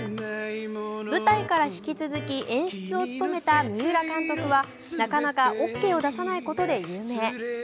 舞台から引き続き、演出を務めた三浦監督はなかなかオーケーを出さないことで有名。